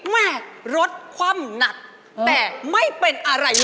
แม่รถคว่ำหนักแต่ไม่เป็นอะไรเลย